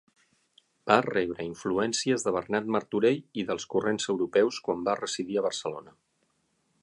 Va rebre influències de Bernat Martorell i dels corrents europeus quan va residir a Barcelona.